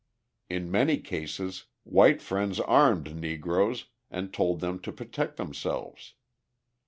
In many cases white friends armed Negroes and told them to protect themselves.